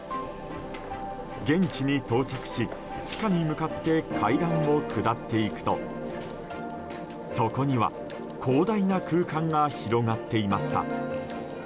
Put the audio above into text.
現地に到着し、地下に向かって階段を下っていくとそこには広大な空間が広がっていました。